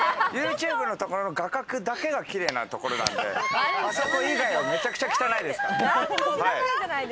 ＹｏｕＴｕｂｅのところの画角だけが綺麗なところなんで、あそこ以外は、めちゃくちゃ汚いですから。